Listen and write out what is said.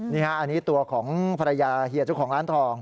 นี่ฮะอันนี้ตัวของภรรยาเฮียเจ้าของร้านทอง